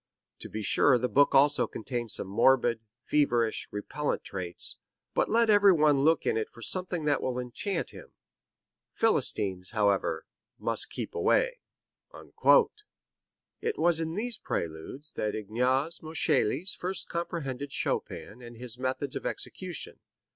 To be sure the book also contains some morbid, feverish, repellant traits; but let everyone look in it for something that will enchant him. Philistines, however, must keep away." It was in these Preludes that Ignaz Moscheles first comprehended Chopin and his methods of execution.